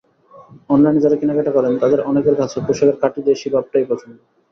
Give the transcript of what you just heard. অনলাইনে যাঁরা কেনাকাটা করেন, তাঁদের অনেকের কাছে পোশাকের খাঁটি দেশি ভাবটাই পছন্দ।